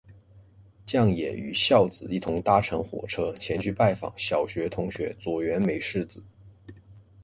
将也与硝子一同搭乘火车前去拜访小学同学佐原美世子。